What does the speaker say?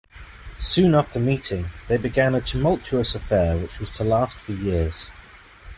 Soon after meeting, they began a tumultuous affair which was to last for years.